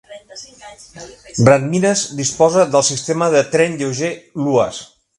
Rathmines disposa del sistema de tren lleuger Luas.